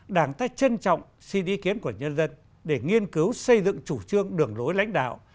đảng ta trân trọng suy ý kiến của nhân dân để nghiên cứu xây dựng chủ trương đường lối lãnh đạo